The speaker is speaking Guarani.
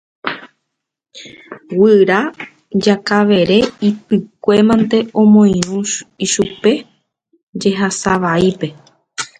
Guyra Jakavere ypykue mante omoirũ ichupe jehasavaípe.